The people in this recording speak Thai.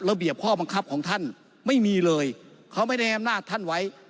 ระเบียบข้อบังคับของท่านไม่มีเลยเขาไม่ได้อำนาจท่านไว้